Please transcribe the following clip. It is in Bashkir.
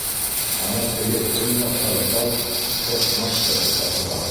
Ана теге төньяҡтағы тау фок-мачта тип атала.